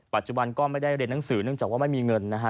ปัจจุบันก็ไม่ได้เรียนหนังสือเนื่องจากว่าไม่มีเงินนะฮะ